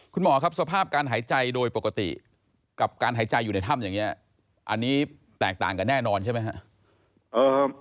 คุณหมอครับสภาพการหายใจโดยปกติกับการหายใจอยู่ในถ้ำอย่างนี้อันนี้แตกต่างกันแน่นอนใช่ไหมครับ